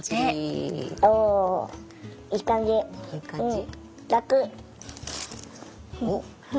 いい感じ？